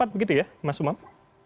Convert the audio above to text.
begitu ya mas umam